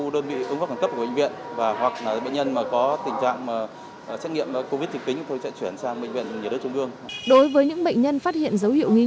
đối với những bệnh nhân phát hiện dấu hiệu nghi